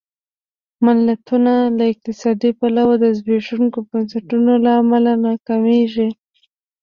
ملتونه له اقتصادي پلوه د زبېښونکو بنسټونو له امله ناکامېږي.